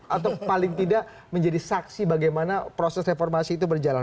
atau paling tidak menjadi saksi bagaimana proses reformasi itu berjalan